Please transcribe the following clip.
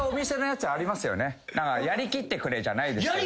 やりきってくれじゃないですけど。